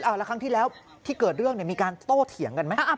แล้วครั้งที่แล้วที่เกิดเรื่องมีการโต้เถียงกันไหม